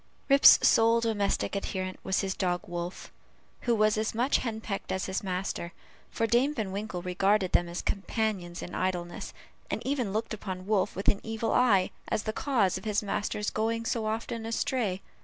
Rip's sole domestic adherent was his dog Wolf, who was as much henpecked as his master; for Dame Van Winkle regarded them as companions in idleness, and even looked upon Wolf with an evil eye, as the cause of his master's going so often astray.